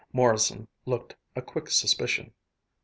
Morrison looked a quick suspicion.